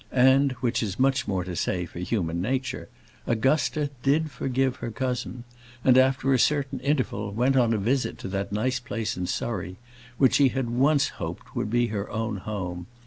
And, which is much more to say for human nature, Augusta did forgive her cousin, and, after a certain interval, went on a visit to that nice place in Surrey which she had once hoped would be her own home.